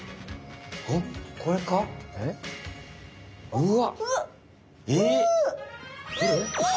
うわ！